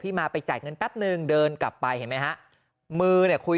มาไปจ่ายเงินแป๊บนึงเดินกลับไปเห็นไหมฮะมือเนี่ยคุย